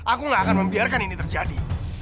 aku gak akan membiarkan ini terjadi